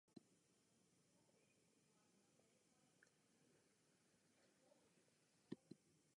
Its eastern sector is crossed by the Arzobispo River.